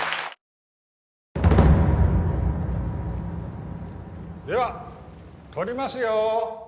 ・では撮りますよ